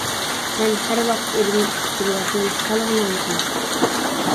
مەن ھەر ۋاقىت ئۆلۈمنى كۈتۈپ كېلىۋاتىمەن، خالىغىنىڭنى قىل.